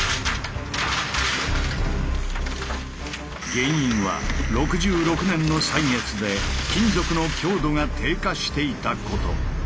原因は６６年の歳月で金属の強度が低下していたこと。